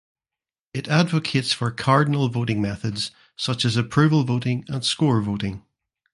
It advocates for cardinal voting methods such as approval voting and score voting.